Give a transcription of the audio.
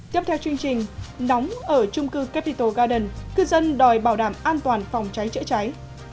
tiếp theo chương trình nóng ở trung cư capitol garden cư dân đòi bảo đảm an toàn phòng cháy chữa cháy